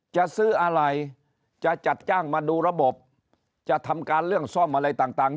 จะซื้ออะไรจะจัดจ้างมาดูระบบจะทำการเรื่องซ่อมอะไรต่าง